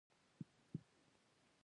• دښمني د سولې خلاف ده.